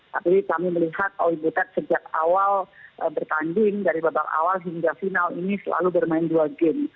tapi kami melihat owi butet sejak awal bertanding dari babak awal hingga final ini selalu bermain dua game